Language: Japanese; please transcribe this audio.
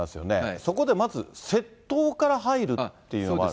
そこでまず、窃盗から入るっていうのもある？